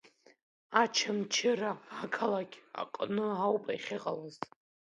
Очамчыра ақалақь аҟны ауп иахьыҟалаз.